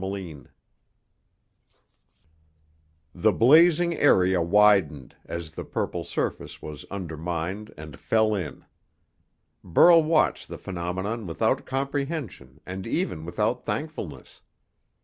The blazing area widened, as the purple surface was undermined and fell in. Burl watched the phenomenon without comprehension and even without thankfulness.